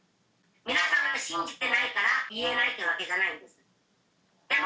皆さんを信じてないから言えないというわけじゃないんです。